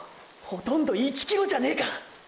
ほとんど１ｋｍじゃねぇか！！